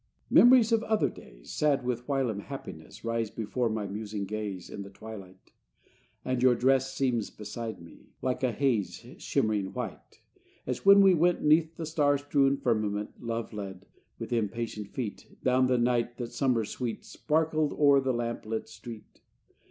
IX Memories of other days, Sad with whilom happiness, Rise before my musing gaze In the twilight.... And your dress Seems beside me, like a haze Shimmering white; as when we went 'Neath the star strewn firmament, Love led, with impatient feet Down the night that, summer sweet, Sparkled o'er the lamp lit street.